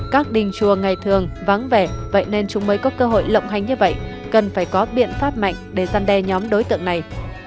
các đình chùa ngày thường vắng vẻ vậy nên chúng mới có cơ hội lộng hành như vậy cần phải có biện pháp mạnh để gian đe nhóm đối tượng này